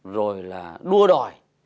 rồi là đua đòi